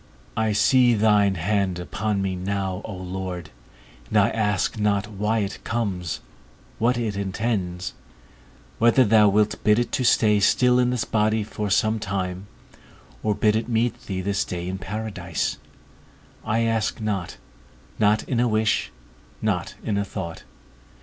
I see thine hand upon me now, O Lord, and I ask not why it comes, what it intends; whether thou wilt bid it stay still in this body for some time, or bid it meet thee this day in paradise, I ask not, not in a wish, not in a thought.